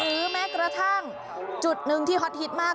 แม้กระทั่งจุดหนึ่งที่ฮอตฮิตมาก